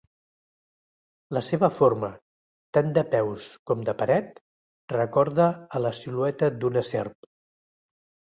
La seva forma, tant de peus com de paret, recorda a la silueta d'una serp.